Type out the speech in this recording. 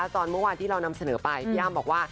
ตอนเมื่อวานที่เรานำเสนอไปพี่อ้ำบอกว่า